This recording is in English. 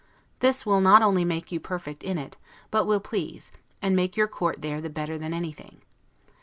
This will not only make you perfect in it, but will please, and make your court there better than anything.